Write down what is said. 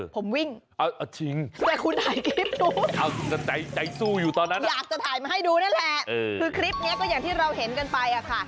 ผมวิ่งแต่คุณถ่ายคลิปนู้นอยากจะถ่ายมาให้ดูนั่นแหละคือคลิปนี้ก็อย่างที่เราเห็นกันไปค่ะ